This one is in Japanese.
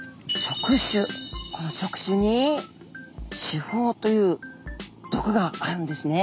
この触手に刺胞という毒があるんですね。